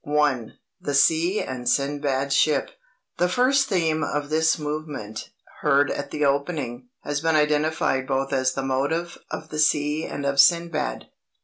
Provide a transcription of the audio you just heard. I. THE SEA AND SINDBAD'S SHIP The first theme of this movement, heard at the opening, has been identified both as the motive of the Sea and of Sindbad.